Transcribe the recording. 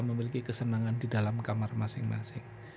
memiliki kesenangan di dalam kamar masing masing